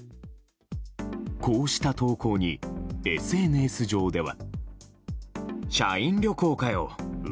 こうした投稿に、ＳＮＳ上では。